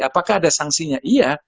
apakah ada sanksinya iya